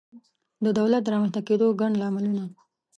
د دولت د رامنځته کېدو ګڼ لاملونه